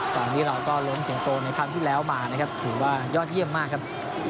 ตอนนี้เราก็ล้มสิงคโปรในค่ำที่แล้วมาถือว่ายอดเยี่ยมมากครับ